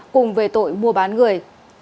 cùng về tội mua bán người